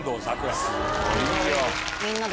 すごいよ。